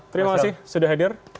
terima kasih sudah hadir